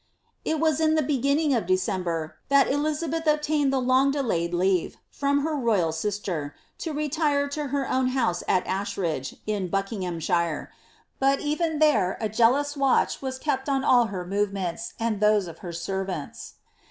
It was in the beginning of December, that Elizabeth obtained the long delayed leave from her ro3rai sister to retire to her own house at Asheridge, in Buckinghamshire; but even there a jealous watch was kept on all her movements, and those of her servants.